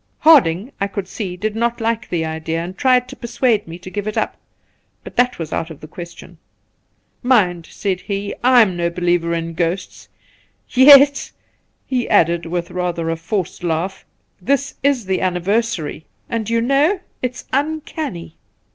Harding, I could see, did not like the idea, and tried to persuade me to give it up ; but that was out of the question. ' Mind,' said he, ' I'm no believer in ghosts ; yet,' he added, with rather a forced laugh, ' this is the anniversary, and you know it's uncanny.'